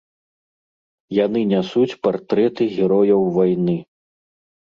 Яны нясуць партрэты герояў вайны.